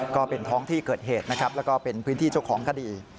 ก็เป็นท้องที่เกิดเหตุและเป็นพื้นที่เจ้าของคดี